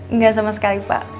enggak sama sekali pak